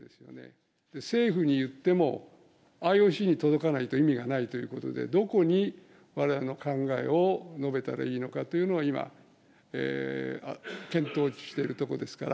政府に言っても、ＩＯＣに届かないと意味がないということで、どこにわれわれの考えを述べたらいいのかというのは、今、検討しているところですから。